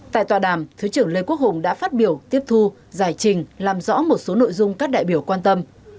tại tòa đàm thứ trưởng lê quốc hùng đã phát biểu tiếp thu giải trình làm rõ một số nội dung các đại biểu quan tâm